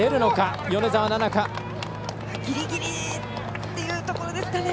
ギリギリというところですかね。